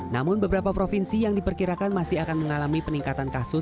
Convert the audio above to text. namun beberapa provinsi yang diperkirakan masih akan mengalami peningkatan kasus